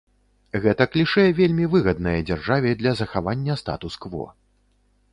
Гэта клішэ вельмі выгаднае дзяржаве для захавання статус-кво.